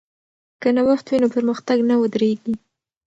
که نوښت وي نو پرمختګ نه ودریږي.